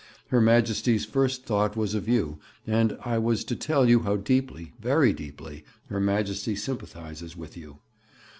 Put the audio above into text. Her Majesty's first thought was of you, and I was to tell you how deeply, very deeply, Her Majesty sympathizes with you.